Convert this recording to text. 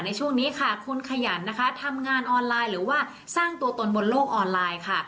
ในช่วงนี้ค่ะคุณขยันนะคะทำงานออนไลน์หรือว่าสร้างตัวตนบนโลกออนไลน์ค่ะ